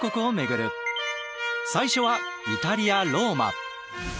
最初はイタリア・ローマ。